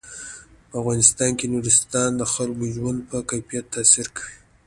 په افغانستان کې نورستان د خلکو د ژوند په کیفیت تاثیر کوي.